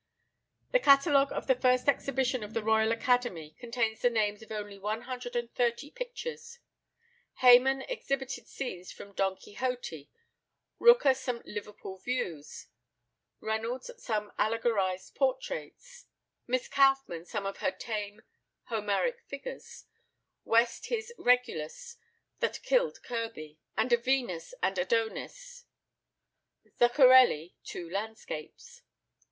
The catalogue of the first exhibition of the Royal Academy contains the names of only one hundred and thirty pictures: Hayman exhibited scenes from Don Quixote; Rooker some Liverpool views; Reynolds some allegorised portraits; Miss Kauffmann some of her tame Homeric figures; West his "Regulus" (that killed Kirby), and a Venus and Adonis; Zuccarelli two landscapes.